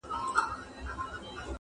د کرش مشين او فولادي سپينه اره راؤړې